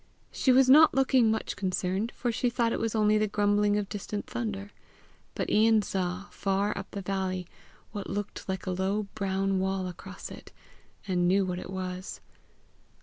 She was not looking much concerned, for she thought it only the grumbling of distant thunder. But Ian saw, far up the valley, what looked like a low brown wall across it, and knew what it was.